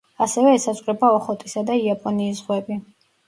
ასევე ესაზღვრება ოხოტისა და იაპონიის ზღვები.